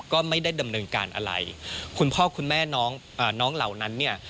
ก็ไม่ได้ดำเนินการอะไรคุณพ่อคุณแม่น้องอ่าน้องน้องเหล่านั้นเนี่ย